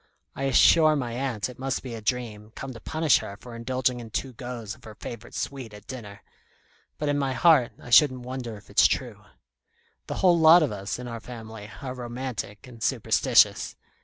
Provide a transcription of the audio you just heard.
I assure my aunt it must be a dream, come to punish her for indulging in two goes of her favourite sweet at dinner; but in my heart I shouldn't wonder if it's true. The whole lot of us, in our family, are romantic and superstitious.